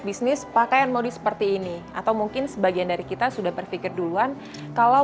bisnis pakaian modis seperti ini atau mungkin sebagian dari kita sudah berpikir duluan kalau